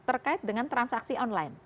terkait dengan transaksi online